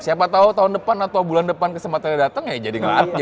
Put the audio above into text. siapa tau tahun depan atau bulan depan kesempatannya dateng ya jadi pelatih